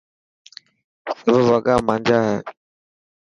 سب وڳا مانجا هي.